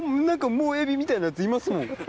もうエビみたいなやついますもん。